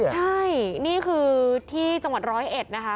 ใช่นี่คือที่จังหวัดร้อยเอ็ดนะคะ